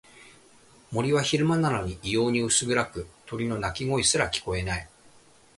森は昼間なのに異様に薄暗く、鳥の鳴き声すら聞こえない。